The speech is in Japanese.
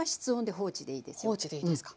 放置でいいですか。